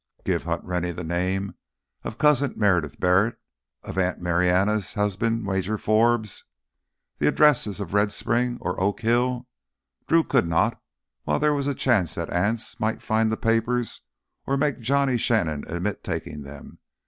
Give Hunt Rennie the name of Cousin Meredith Barrett, of Aunt Marianna's husband, Major Forbes—the addresses of Red Springs or Oak Hill? Drew could not while there was a chance that Anse might find the papers or make Johnny Shannon admit taking them.